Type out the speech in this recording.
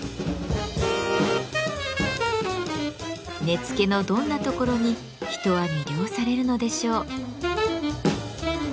根付のどんなところに人は魅了されるのでしょう？